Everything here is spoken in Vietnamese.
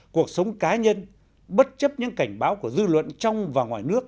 cuộc sống cá nhân bất chấp những cảnh báo của dư luận trong và ngoài nước